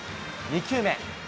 ２球目。